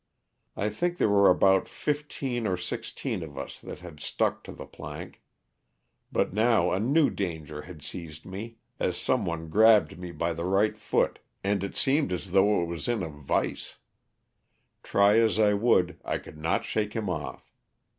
I think there were about fifteen or sixteen of us that had stuck to the plank. But now a new danger had seized me, as some one grabbed me by the right foot and it seemed as though it was in a vise; try as I would, I could not shake him off.